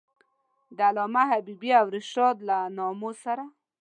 د علامه حبیبي او رشاد له نامو سره.